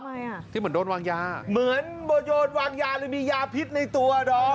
คือก็เหมือนโดนวางยาเหมือนโดนวางยาเลยมียาพิษในตัว